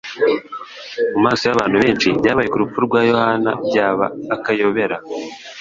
Mu maso y'abantu benshi, ibyabaye ku rupfu rwa Yohana byaba; akayobera.